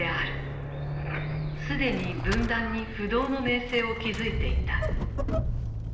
既に文壇に不動の名声を築いていた。